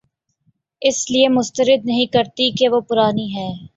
اس لیے مسترد نہیں کرتی کہ وہ پرانی ہے